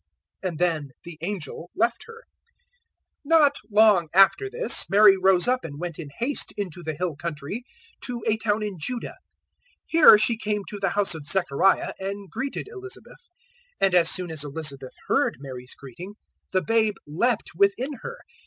And then the angel left her. 001:039 Not long after this, Mary rose up and went in haste into the hill country to a town in Judah. 001:040 Here she came to the house of Zechariah and greeted Elizabeth; 001:041 and as soon as Elizabeth heard Mary's greeting, the babe leapt within her.